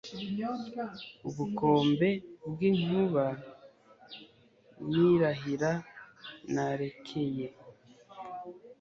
Ubukombe bw'inkuba nirahira narekeye!